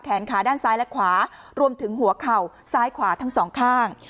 ขาด้านซ้ายและขวารวมถึงหัวเข่าซ้ายขวาทั้งสองข้าง